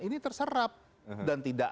ini terserap dan tidak